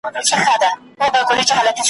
زه به بختور یم ,